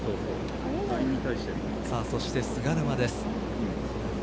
そして菅沼です。